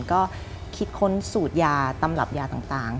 ก็คิดค้นสูตรยาตำรับยาต่าง